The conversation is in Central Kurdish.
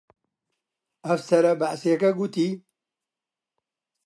ئەفسەرە بەعسییەکە گوتی: